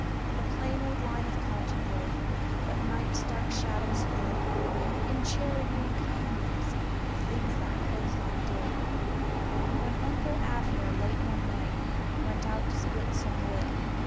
A plain old line of cot¬ ton rope, but night's dark shadows hid In charity and kindli¬ ness the clothes line When Uncle Abner, late one night, out to split some wood.